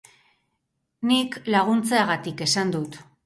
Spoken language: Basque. Nik laguntzeagatik esan dut.